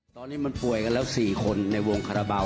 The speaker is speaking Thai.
ตอนนี้มันป่วยกันแล้ว๔คนในวงคาราบาล